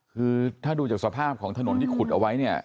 คือถ้าดูจากสภาพของถนนที่ขุดเอาไว้เนี่ย